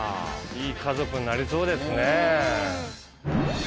いい家族になりそうですね。